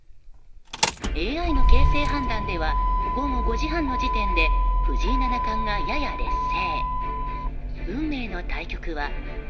ＡＩの形勢判断では午後５時半の時点で藤井七冠がやや劣勢。